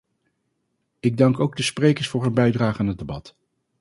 Ik dank ook de sprekers voor hun bijdrage aan het debat.